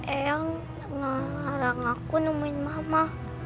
eyang ngarang aku nemuin mama